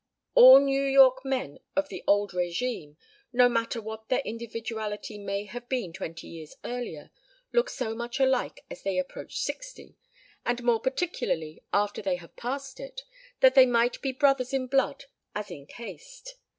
All New York men of the old régime, no matter what their individuality may have been twenty years earlier, look so much alike as they approach sixty, and more particularly after they have passed it, that they might be brothers in blood as in caste.